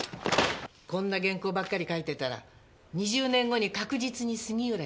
こんな原稿ばっかり書いてたら２０年後に確実に杉浦恭介になるよ。